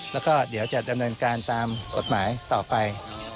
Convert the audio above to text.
แล้วก็เดี๋ยวจะดำเนินการตามกฎหมายต่อไป